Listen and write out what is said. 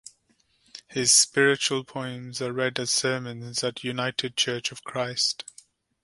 His spiritual poems are read as sermons at United Church of Christ.